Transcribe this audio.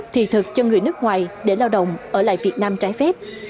thị thực cho người nước ngoài để lao động ở lại việt nam trái phép